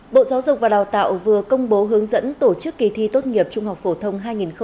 bộ giáo dục và đào tạo vừa công bố hướng dẫn tổ chức kỳ thi tốt nghiệp trung học phổ thông hai nghìn hai mươi